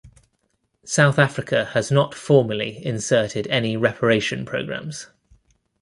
South Africa has not formally inserted any reparation programs.